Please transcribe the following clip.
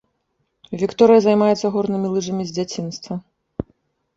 Вікторыя займаецца горнымі лыжамі з дзяцінства.